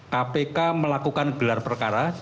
kpk melakukan gelar perkara